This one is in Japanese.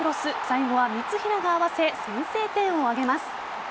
最後は三平が合わせ先制点を挙げます。